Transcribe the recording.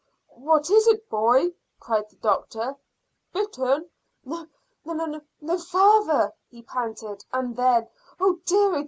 "What is it, boy?" cried the doctor "Bitten?" "N n n n no, father," he panted. And then, "Oh dear!